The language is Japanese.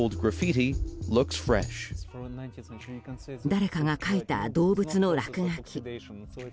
誰かが描いた動物の落書き。